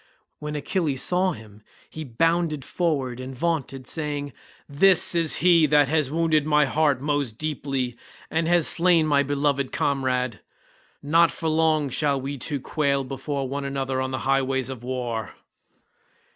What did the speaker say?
When Achilles saw him he bounded forward and vaunted saying, "This is he that has wounded my heart most deeply and has slain my beloved comrade. Not for long shall we two quail before one another on the highways of war."